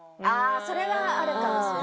あそれはあるかもしれない。